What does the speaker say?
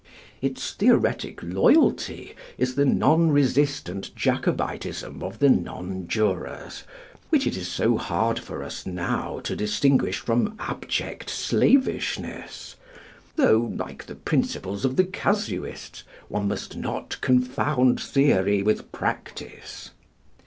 Its theoretic loyalty is the non resistant Jacobitism of the Nonjurors, which it is so hard for us now to distinguish from abject slavishness; though like the principles of the casuists, one must not confound theory with practice.